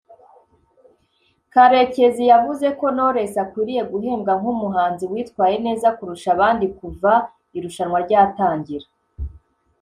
Karekezi yavuze ko Knowless akwiriye guhembwa nk’umuhanzi witwaye neza kurusha abandi kuva irushanwa ryatangira